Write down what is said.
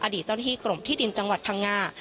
อดีตเจ้าหน้ากลมที่ดินจังหวัดภังงา